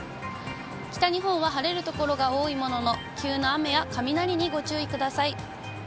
北日本は晴れる所が多いものの、急な雨や雷にご注意ください。